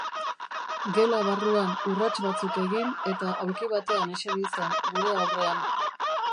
Gela barruan urrats batzuk egin eta aulki batean eseri zen, gure aurrean.